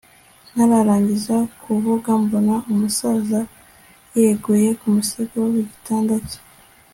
ntararangiza kuvuga mbona umusaza yeguye kumusego wigitanda cye